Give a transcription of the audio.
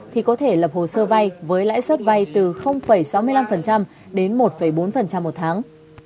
thì có thể lập hồ sơ vay với lãi suất vay từ sáu mươi năm đến một bốn một tháng